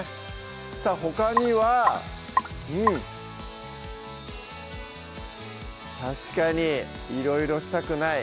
さぁほかにはうん確かに「いろいろしたくない」